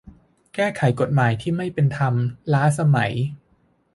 แก้ไขกฎหมายที่ไม่เป็นธรรม ล้าสมัย